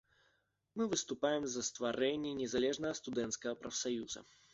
Мы выступаем за стварэнне незалежнага студэнцкага прафсаюза.